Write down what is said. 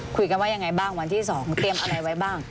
คุยกันว่ายังไงบ้างวันที่๒เตรียมอะไรไว้บ้าง